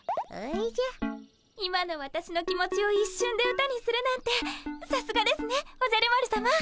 今のわたしの気持ちを一瞬で歌にするなんてさすがですねおじゃる丸さま。